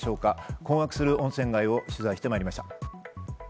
困惑する温泉街を取材してきました。